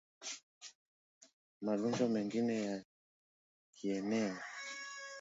Magonjwa mengine ya kieneo